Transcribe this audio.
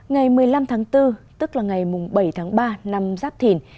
ngày một mươi năm tháng bốn tức là ngày bảy tháng ba năm giáp thìn